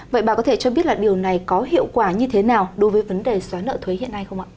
vậy bà có thể cho biết là điều này có hiệu quả như thế nào đối với vấn đề xóa nợ thuế hiện nay không ạ